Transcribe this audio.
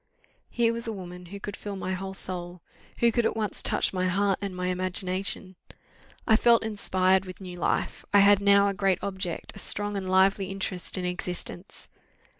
Here was a woman who could fill my whole soul; who could at once touch my heart and my imagination. I felt inspired with new life I had now a great object, a strong and lively interest in existence.